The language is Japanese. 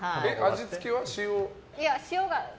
味付けは塩？